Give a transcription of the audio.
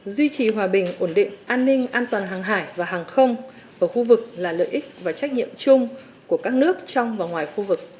duy trì hòa bình ổn định an ninh an toàn hàng hải và hàng không ở khu vực là lợi ích và trách nhiệm chung của các nước trong và ngoài khu vực